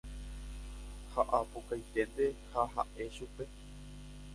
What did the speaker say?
ha apukaiténte ha ha'e chupe